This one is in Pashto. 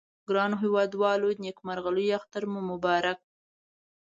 ګرانو هیوادوالو نیکمرغه لوي اختر مو مبارک